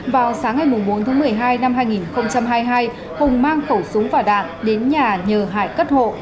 vào sáng ngày bốn tháng một mươi hai năm hai nghìn hai mươi hai hùng mang khẩu súng và đạn đến nhà nhờ hải cất hộ